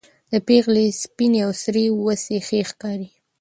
د پېغلې سپينې او سرې وڅې ښې ښکاري